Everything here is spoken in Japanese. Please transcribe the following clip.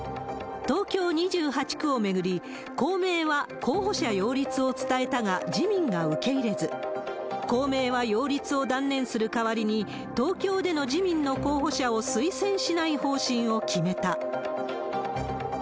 東京２８区を巡り、公明は候補者擁立を伝えたが、自民が受け入れず、公明は擁立を断念する代わりに、東京での自民の候補者を推薦しない方針を決めた。